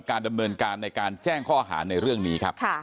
การดำเนินการในการแจ้งข้อหาในเรื่องนี้ครับ